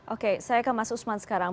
oke saya ke mas usman sekarang